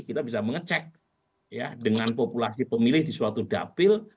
kita bisa mengecek ya dengan populasi pemilih di suatu dapil